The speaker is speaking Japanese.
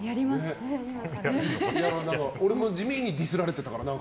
俺も地味にディスられてたから。